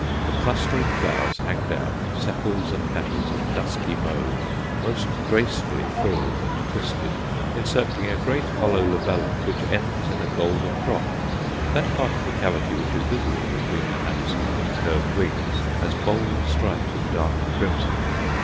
The clustering flowers hang down, sepals and petals of dusky mauve, most gracefully frilled and twisted, encircling a great hollow labellum which ends in a golden drop. That part of the cavity which is visible between the handsome incurved wings has bold stripes of dark crimson.